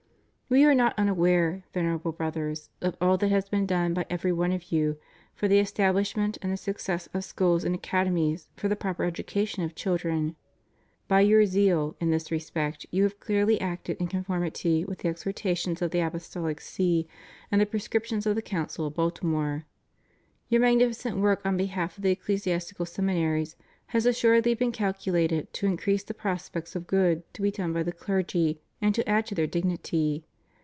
We are not unaware, Venerable Brothers, of all that has been done by every one of you for the estabUshment and the success of schools and academies for the proper education of children. By your zeal in this respect you have clearly acted in conformity with the exhortations of the Apostolic See and the prescriptions of the Council of Baltimore. Your magnificent work on behalf of the ecclesiastical seminaries has assuredly been calculated to increase the prospects of good to be done by the clergy and to add to their dignity.